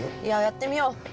いややってみよう。